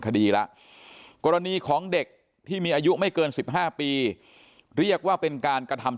คดีแล้วกรณีของเด็กที่มีอายุไม่เกิน๑๕ปีเรียกว่าเป็นการกระทำ